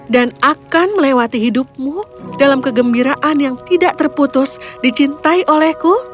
dan akan melewati hidupmu dalam kegembiraan yang tidak terputus dicintai olehku